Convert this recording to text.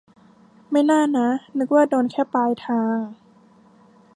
ไม่น่านะ นึกว่าโดนแค่ปลายทาง